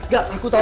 gak aku tau